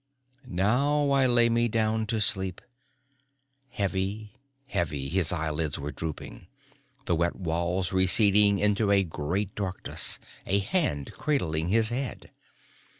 Now I lay me down to sleep.... Heavy, heavy his eyelids were drooping; the wet walls receding into a great darkness, a hand cradling his head.